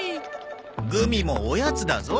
グミもおやつだぞ。